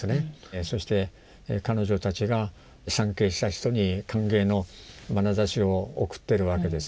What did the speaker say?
そして彼女たちが参詣した人に歓迎のまなざしを送ってるわけですね。